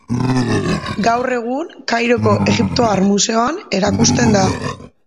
Gaur egun Kairoko Egiptoar Museoan erakusten da.